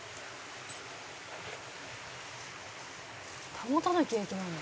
「保たなきゃいけないの？」